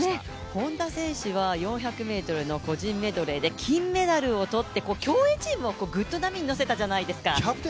本多選手は４００ｍの個人メドレーで金メダルをとって競泳チームをグット波に乗せたじゃないですか。